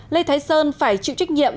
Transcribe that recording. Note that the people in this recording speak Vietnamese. lê thái sơn phải chịu trách nhiệm